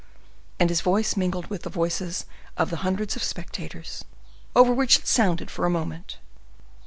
'" And his voice mingled with the voices of the hundreds of spectators, over which it sounded for a moment.